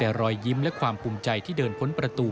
และการชิ้นด้วยรอยยิ้มและความภูมิใจที่เดินพ้นบนประตู